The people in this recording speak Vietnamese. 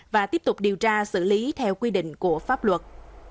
và xử lý theo quy định của pháp luật